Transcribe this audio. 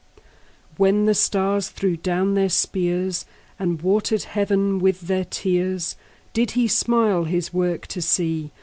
When the stars threw down their spears, And water'd heaven with their tears, Did He smile His work to see?